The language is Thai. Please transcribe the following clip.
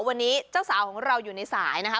วันนี้เจ้าสาวของเราอยู่ในสายนะคะ